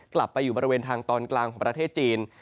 กลับไปอยู่บริเวณทางตอนกลางของประเทศจีน